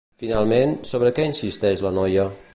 Finalment, sobre què insisteix la noia?